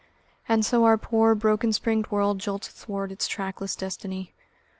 And so our poor broken springed world jolts athwart its trackless destiny.